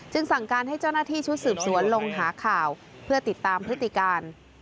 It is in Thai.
สั่งการให้เจ้าหน้าที่ชุดสืบสวนลงหาข่าวเพื่อติดตามพฤติการ